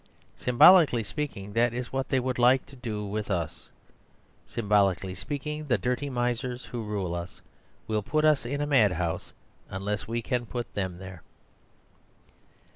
Symbolically speaking, that is what they would like to do with us. Symbolically speaking, the dirty misers who rule us will put us in a mad house unless we can put them there.